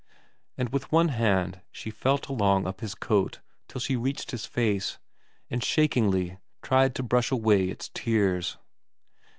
And with one hand she felt along up his coat till she reached his face, and shakingly tried to brush away its tears.